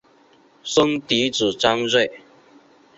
生嫡子张锐。